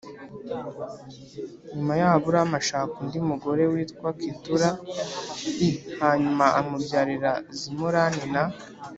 Nyuma yaho aburahamu ashaka undi mugore witwa ketura i hanyuma amubyarira zimurani na